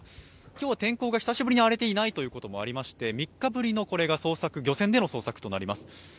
今日は天候が久しぶりに荒れていないということもありまして３日ぶりの漁船での捜索となります。